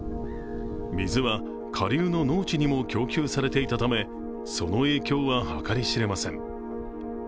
水は下流の農地にも供給されていたため、その影響は計り知れません。